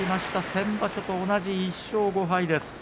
先場所と同じ１勝５敗です。